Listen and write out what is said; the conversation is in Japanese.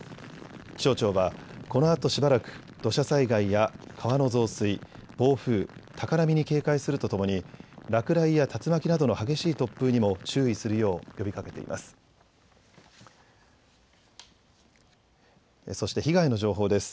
気象庁はこのあとしばらく、土砂災害や川の増水、暴風、高波に警戒するとともに、落雷や竜巻などの激しい突風にも注意するよう呼びかけています。